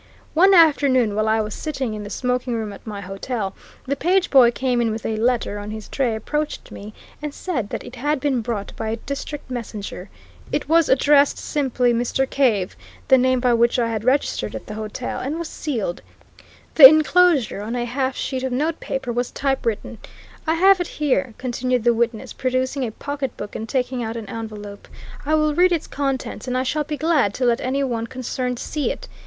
One afternoon, while I was sitting in the smoking room at my hotel, the page boy came in with a letter on his tray, approached me, and said that it had been brought by a district messenger. It was addressed simply, 'Mr. Cave' the name by which I had registered at the hotel and was sealed; the inclosure, on a half sheet of note paper, was typewritten. I have it here," continued the witness, producing a pocketbook and taking out an envelope. "I will read its contents, and I shall be glad to let any one concerned see it.